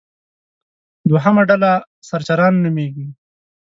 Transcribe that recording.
دوهمه ډله سرچران نومېږي.